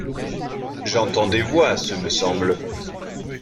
J'entends des voix, ce me semble.